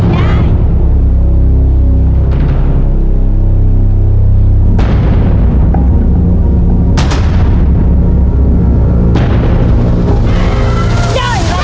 น้อย